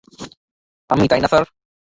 আমি, তাই না, স্যার?